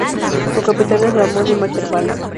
Su capital es la homónima Kerbala.